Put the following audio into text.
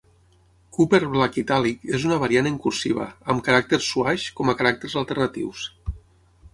Cooper Black Italic és una variant en cursiva, amb caràcters swash com a caràcters alternatius.